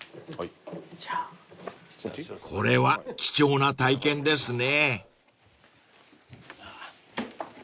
［これは貴重な体験ですね］